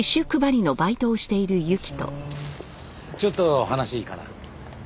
ちょっと話いいかな？